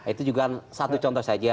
itu juga satu contoh saja